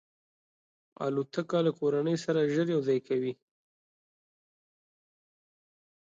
الوتکه له کورنۍ سره ژر یو ځای کوي.